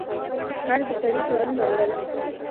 خر د سړي بارونه وړل.